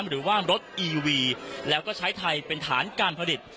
หรือว่ารถอีวีแล้วก็ใช้ไทยเป็นฐานการผลิต